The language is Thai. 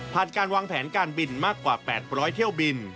การวางแผนการบินมากกว่า๘๐๐เที่ยวบิน